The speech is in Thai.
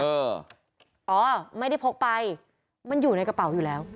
อ๋อไม่ได้พกไปมันอยู่ในกระเป๋าอยู่แล้ว